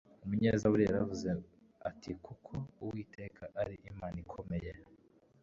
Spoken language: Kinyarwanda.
umunyezaburi yaravuze ati kuko uwiteka ari imana ikomeye